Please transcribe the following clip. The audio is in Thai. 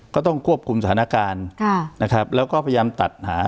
ก็ต้องควบคุมสถานการณ์ค่ะนะครับแล้วก็พยายามตัดหา